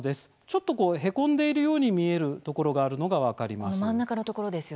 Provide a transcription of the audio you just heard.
ちょっと、へこんでいるように見えるところがあるのが分かります。